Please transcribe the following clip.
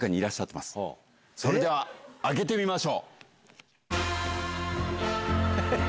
それでは開けてみましょう！